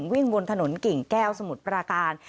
วิ่งบนถนนกิ่งแก้วสมุทรปราการ